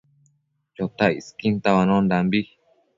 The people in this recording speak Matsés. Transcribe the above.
Chotac isquin tauaondambi